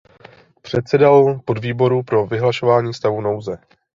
Předsedal podvýboru pro vyhlašování stavu nouze.